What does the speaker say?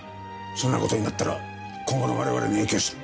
そんな事になったら今後の我々に影響する。